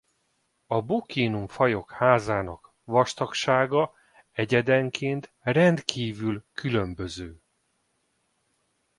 A Buccinum-fajok házának vastagsága egyedenként rendkívül különböző.